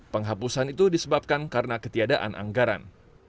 penghapusan itu disebabkan karena ketiadaan anggaran